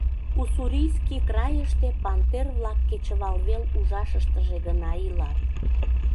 Уссурийский крайыште пантер-влак кечывалвел ужашыштыже гына илат.